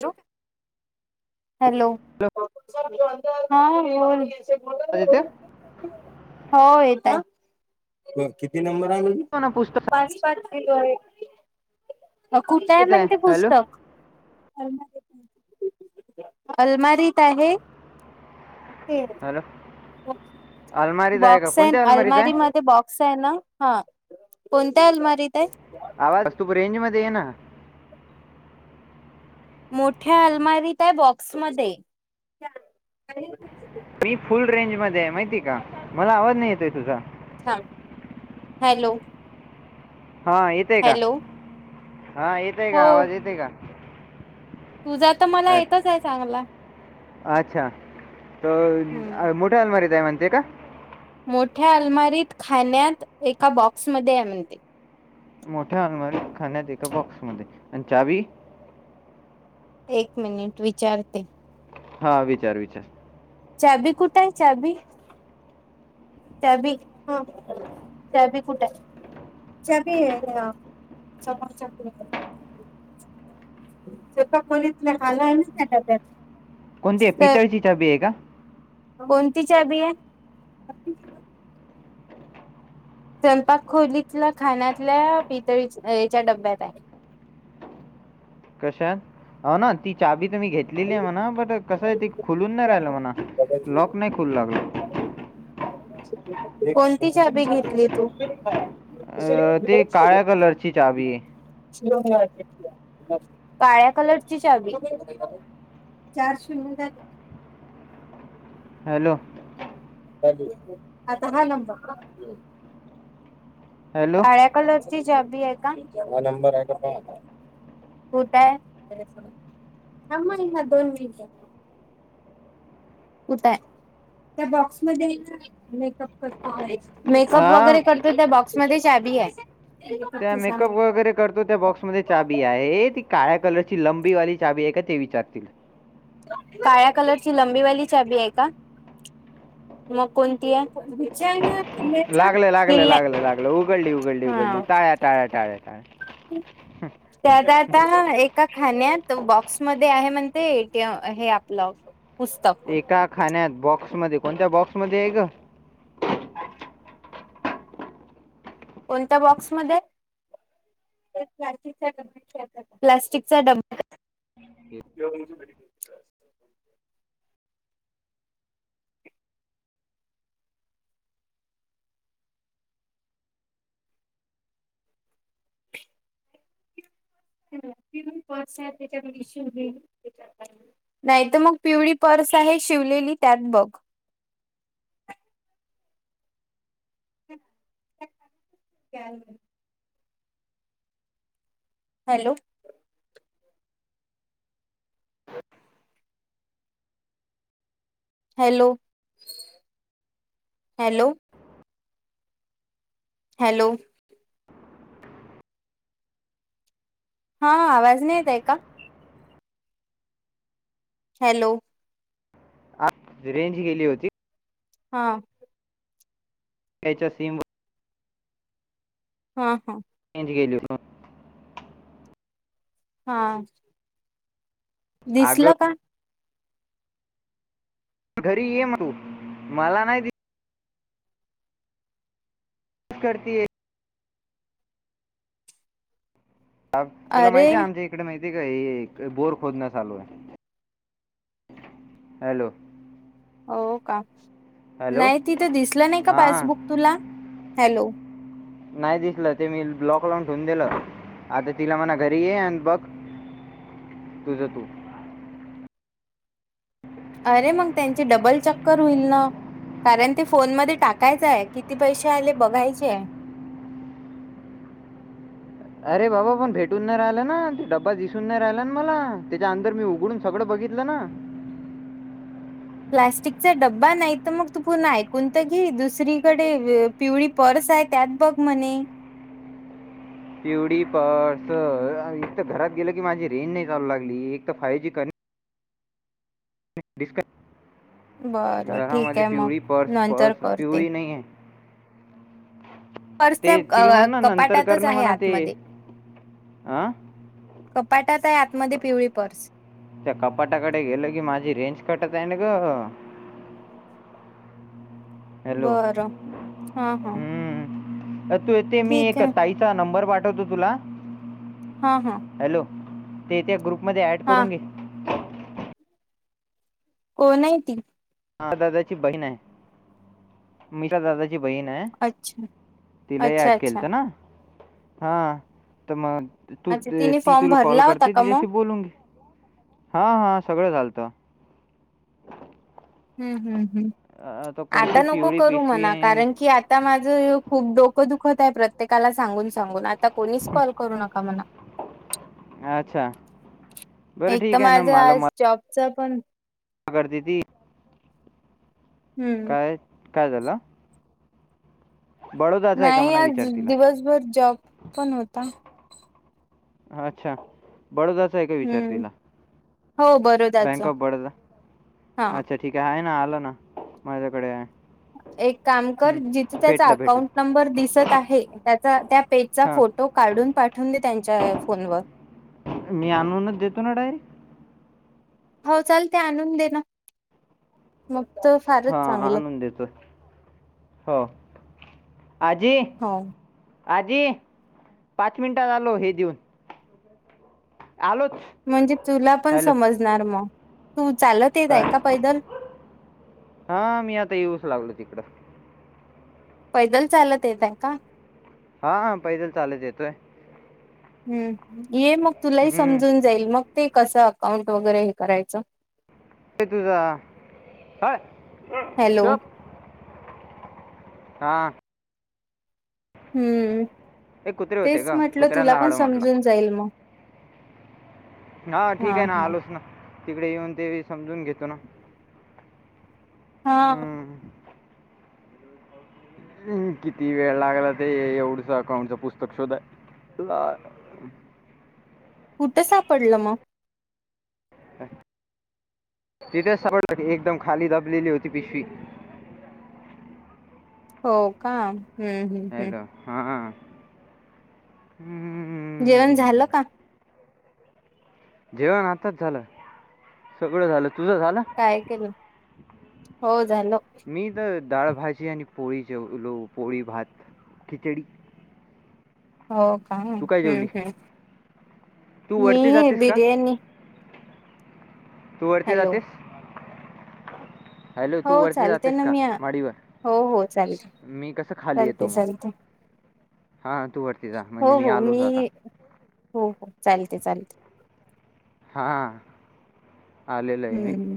ठेव! हॅलो! ह आदित्य बोल. हो येत किती नंबर म्हण ना पुस्तक अजून पाच किलो आहे. कुठे आहे येत म्हण ते हॅलो पुस्तक, ह [unintelligible] अलमारीत आहे. हॅलो अलमारीत आहे का बॉक्स कोणत्या अलमारीत अलमारी आहे मध्ये बॉक्स आहे ना हा कोणत्या अलमारीत आहे. आवाज तू रेंज मध्ये ये ना? मोठ्या अलमारीत आहे बॉक्स मध्ये, मी फुल रेंज मध्ये माहितीय का मला आवाज नाही येतोय तुझा. थांब हॅलो! हा येतय का, हॅलो हा येतय हो का, आवाज येते का. तुझा तर मला अ- येतच आहे चांगला. अच्छा त हम्म मोठा अलमारी त आहे म्हणते का? मोठ्या अलमारीत खाण्यात एका बॉक्समध्येध्ये आहे म्हणते. मोठ्या अलमारीत खाण्यात एका बॉक्स मध्ये आणि चावी. एक मिनिट विचारते. हा विचार - विचार, चवी कुठ आहे चवी. चावी हा. [inaudible] चवी कुठे आहे चवी समोरच्या एका खोलीतला खाला त्या डब्यात कोणती आहे तर पितळची चावी आहे का कोणती चचाबी आहे स्वयंपाक खोलीतल्या खाण्यातल्या पितळीच्या डब्यात आहे कशा हो ना ती चाबी तर मी घेतलेली आहे म्हणा बट कसं आहे ती खुलून नाही राहिलं म्हणा लॉक नाही खुोलू लागला आहे कोणती चाबी घेतली तू अ तेी काळ्या कलरची चावीी आहे काळ्या कलरची चावी चार शून्य हॅलो अता नब ह कलरची जॉबी का हां मग हा दोन मिनिटात उठय त्या बॉक्समध्ये मेकपर मेकअप हां, वगैरे कर तू त्या बॉक्समध्ये चाभी आहे त्या मेकअप वगैरे करतो त्या बॉक्स चाबी आहे ती काळ्या कलरची लंबीवाली चाबी आहे का ते विचारतीला काळ्या कलरची लंबीवाली चाबी आहे का मग कोणती आहे लागलं लागलं हिलने लागलं लागलं उघडली उघडली उघडली हा टाळ्या टाळ्या टाळ्या ते आता आता एका खाण्यात्या बॉक्समध्येध्ये आहे म्हणते एटीएम हे आपलॉ पुस्तक एका खाण्यात्या बॉक्समध्ये कोणत्या बॉक्समध्येध्ये आहे ग कोणत्या बॉक्समध्ये प्लास्टिक ड प्लास्टिक चा डब उ ह तिन पच्या नाही तर मग पिवळी पर्स आहे शिवलेली त्यात बघ हॅलो हॅलो हॅलो हॅलो हा आवाज नाही येत आहे का हॅलो ह रेंज गेली होती हा च्या सीम हा हा एची केली हा अगं, दिसल का घरी ये म तू मला नाही करती आहे तुला अरे माहिती आहे आमचे इडे माहितीय का बोर खोदण चालू आहे हॅलो हो का हॅलो. नाही तिथं दिसलं नाही का हा पासबुक तुला हॅलो नाही दिसलं ते मी ब्लॉक लावून ठेवून दिलं आता तिला मणा घरी ये बघ तुझं तू अरे मग त्यांचे डबल चक्कर होईल ना कारण ते फोन म टाकायचंय किती पैसे आले बघायचे अरे बाबा पण भेटून नाही राहिलं ना ते डब्बा दिसून नाही राहिला ना मला त्याच्या अंदर मी उघडून सगळं बघितलं ना प्लास्टिकचा डब्बा नाही तर मग तू पुर्ण ऐकून तर घी दुसरीकडे पिवळी पर्स आहे त्यात बघ म्हणे पिवळी पर्स एक घरात गेलं की माझी रेंज नाही चालू लागली एक फायव जी कर डिस्कस बरं ठीक आहे मग पिवळी पर्स नंतर पर्स करते पिवळी नाही आहे पर्स ते तिला त्या म्हण ना नंतर कर कपाटातच ना आहे म्हणा ते आतमध्ये हां कपाटात आहे आतमध्ये पिवळी पर्स त्या कपाटाकडे गेल की माझी रेंज कटत आहे ना ग हॅलो बरं हा हा हम्म. तू येते मी ठीक एक आहे ताईचा नंबर पाठवतो तुला हा हा हॅलो तेथे ग्रुप मध्ये ऍड हा करून घे हो नाही त मा दादाची बहीण आहे मीच्या दादाची बहीण आहे अच्छा तिलाही अच्छा ऍड केल अच्छा तर ना ह तर मग तू अच्छा तिने ती फॉर्म तुला कॉल भरला होता करते का मग? तिच्या्याशी बोलून घे हा हां सगळं चालतं हम्म हम् हम् अ, तर आटा कोणती नको पिवळी करू पिशवी म्हणा आहे कारण आणि- की आ आता माझं खूप डोकं दुखत आहे प्रत्येकाला सांगून सांगून आता कोणीच कॉल करू नका म्हणा अच्छा बरं ठीक आहे ना मला मला जौबचा पण करती ती हम्म काय काय झालं बडोदाचं आहे का नाही म्हणा आज विचार तिला दिवसभर जॉब पण होता अच्छा बडोदाचा आहे का विचार हम्म तिला हो बरोदाच बँक ऑफ बडोदा हा अच्छा ठीक ठीक आहे आहे ना आल ना माझ्याकडे आहे एक काम हं. कर जिथे त्याचा भेटलं भेटलं अकाउंट नंबर दिसत आहे त्याचा त्या पेजचा हां फोटो तो काढून पाठवून दे त्यांच्या फोनवर मी आणूनच देतो ना डायरेक्ट हो चाल ते आणून दे ना मग तर फारच हां चांगलं आणून देतो कि हो आजी हो आजी पाच मिनटात आलो हे देऊन आलोच म्हणजे तुला पण हॅलो समजणार मग तू चालत येत आहे का पैदल हा मी आता येऊच लागलो तिकडं पैदल चालत येत का हा पैदल चालत येतोय हम्म ये मग तुलाही हं. समजून जाईल मग ते कसं अकाउंट वगैरे हे करायचं तुझ हाय हॅलो चप हा हम्म एक कुत्रे होते तेच का म्हटलं तुला कुत्र्यांना पण हाडं म्हटलं समजून जाईल मग हा ठीक आहे ना आलोच ना तिकडे येऊन ते समजून घेतो ना. हा. हं. हम्म किती वेळ लागला ते एवढच अकाउंटचं पुस्तक शोधायला. कुटे सापडलं मग? तिथेच सापडलं एकदम खाली दाबलेली होती पिशवी. हो का हम्म हम्म हम्म. हा हा हा. जेवण झालं का? जेवण आताच झालं सगळं झालं तुज झालं. काय केलं हो झालं. दाळ भाजी आणि पोळी जेवलो पोळी भात खिचडी. हो का हम्म तू काय जेवली हम्म तू वरती मी जातेस का बिर्याणी. तू वरती हॅलो जाते. हो तू वरती चालते जातेस ना का मी माडीवर हो हो चालते मी कसं चालते चालते चालते. हा तू वरती जा हो म्हणजे मी हो आलोच आता. हो हो चालते चालते. हा. हम्म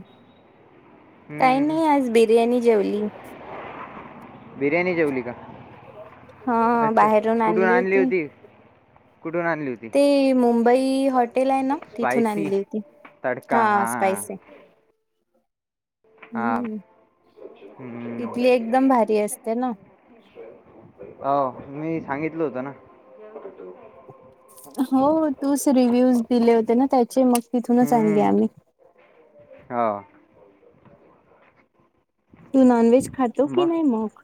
काइ हम्म. नाइ आज बिर्याणी जेवली बिर्याणी जेवली का अच्छा कुठून आणली होती. कुठून आणली होती? ती मुंबई हॉटेल आहे ना तिथून स्पायसी आणली होती तडका हा हां स्पायस आहे. हम्म हां हम्म हम्म इथली एकदम भारी असते ना. अ मी सांगितलं होतं ना. हो तूच रिव्हूज दिले होते ना त्याचे मग तिथूनच आणली आम्ही हा. तू नॉन व्हेज खातो की नाही मग.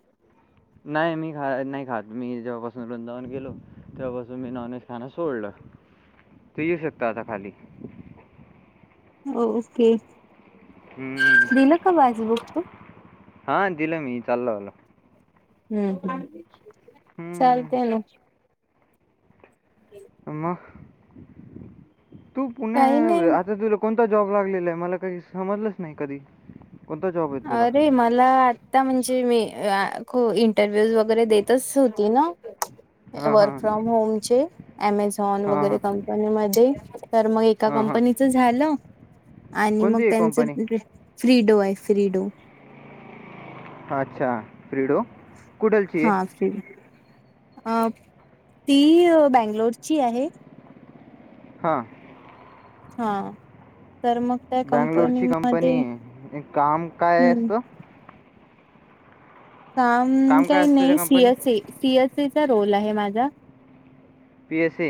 नाही मी खा नाही खात मी जेव्हापासून वृंदावन गेलो तेव्हापासून मी नॉन व्हेज खाण सोडलं ते येऊ शकता आता खाली. ओके. हम्म दिलं का पासबुक तू हा दिलं मी चाललंलं. हम्म हम्म. चालते ना. [unintelligible] मग तू पुणे काही नाही आता तूल कोणता जॉब लागलेला आय मला काही समजलंच नाही कधी. कोणता जॉब आहे तुला अरे मला आता म्हणजे मी ख इंटरव्ह्यूज वगैरे देतच होती ना हां वर्क हां फ्रॉम होमचे ऍमेझॉन हां वगेरे हां कंपनी मध्ये तर मग एका हां हां कंपनीच झालं आणि मग कोणती आहे कंपनी त्यांचं फ्रीडो आय फ्रीडो अच्छा प्रिडो. हा फ्री ती बँंगलोरची आहे. हा. हा तर मग त्या बँंगलोर ची कंपनीमध्ये कंपनीय काम काय हम्म असत. काम काय असतं त्या नाइ सी कंपनीत एस ए सी एस एचा रोल आहे माझा. P S A.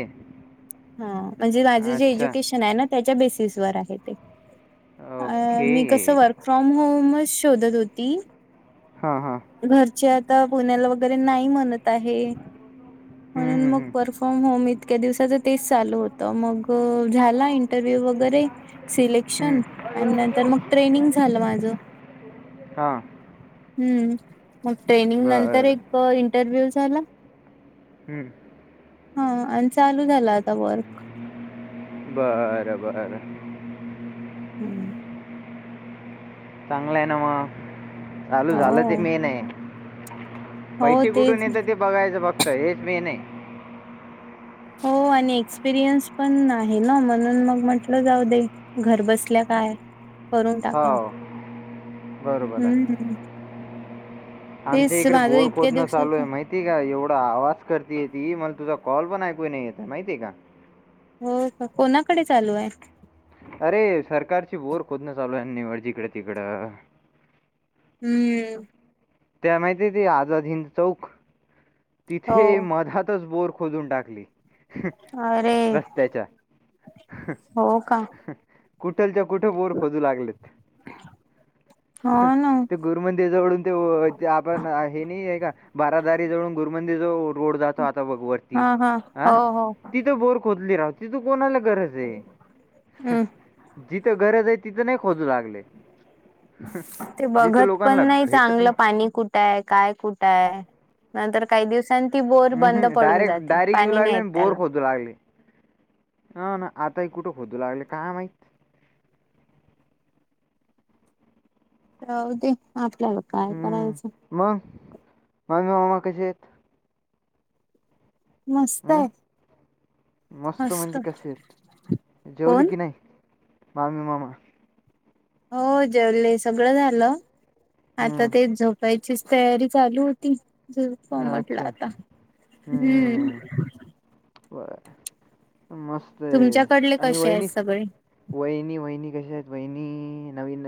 ह म्हणजे माझे जे अच्छा एज्युकेशन आहे ना त्याच्या बेसिसवर आहे ते. अ मी ओके कसं वर्क फ्रॉम होमच शोधत होती. हा हा. घरचे आता पुण्याला वगे रे नाही म्हणत आहे हम्म, म्हणून हम्म, मग पर हम्म. फ्रॉम होम इतक्या दिवसाच तेच चालू होत मग झाला इंट इंटरव्ह्यू वगैरे सिलेक्शन हम्म. आणि नंतर मग ट्रेनिंग झालं माझं हा हम्म मग ट्रेनिंग नंतर एक इंटरव्ह्यू झाला. हम्म हा आणि चालू झाला आता वर्क बरं बर. हम्म चांगलाय ना मग चालू झालं हो ते मेन आहे. हो पैसे कुठून तेच येत ते बघायचं फक्त हेच मी नाही. हो आणि एक्सपिरियन्स पण आहे ना म्हणून मग म्हटलं जाऊ दे. घर बसल्या काय. करून टाका हो बरोबर हम्म आहे हम् हेच माझं इतक्या दिवसाचं मा का एवढा आवाज करतेय ती मला तुझा कॉल पण ऐकू नाही येत माहितीय का? हो का कोणाकडे चालू आहे? अरे सरकारची बोर खोदन चालू निव जिकडे तिकडं हम्म त्या माहिती ते आझाद हिंद चौक हो तिथे मधातच बोर खोदून टाक अरे रस्त्याच्या हो का कुठलच्या कुठे बोर खोदु लागलेत? हो ना ते गुरुम त्याजवळून ते आपण हे नाइय का बारादारी जवळून गुरमंदी जो रोड जातो आता बघ वरती हा हा आ हो हो. तिथं बोर खोदली राव तिथं कोणाला गरज आहे हम् जिथं गरज आहे. तिथं नाही खोजू लागले ते जिथं लोकांना भेटत नाही. क काय कुठंय नंतर काही दिवस ती बोर बंद पडून जाते पाणी नाहीेत त्याला लागली. अ ना आताही कुठं खोदू लागले काम माहत दे आपल्याला काय हम्म. करायचं. मग मामी मामा कसे आहेत. मस्त हम्म? आहे. मस्त म्हणजे कसे आहेत जेवले कोण की नाही, मामी मामा हो जेवले सगळं झालं आता हम्म. तेच झोप वयचीच तयारी चालू होती ज फ म्हटला अच्छा आता हम्म बर मस्त तुमच्याकडले कसे आहेत सगळे? वहिणी वहिणी कशा आहेत वहिणी नवीन